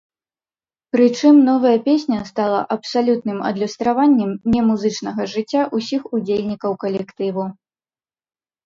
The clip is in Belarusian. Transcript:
Прычым, новая песня стала абсалютным адлюстраваннем немузычнага жыцця ўсіх удзельнікаў калектыву.